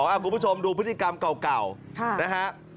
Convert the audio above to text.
คุณผู้ชมดูพฤติกรรมเก่านะฮะ